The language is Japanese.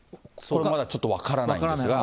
まだちょっと分からないですが。